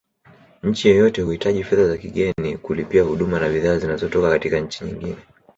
Nchi yoyote huhitaji fedha za kigeni kulipia huduma na bidhaa zinazotoka katika nchi nyingine